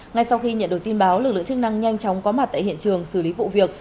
ngay sau khi nhận được tin báo lực lượng chức năng nhanh chóng có mặt tại hiện trường xử lý vụ việc